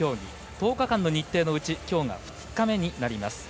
１０日間の日程のうちきょうが２日目になります。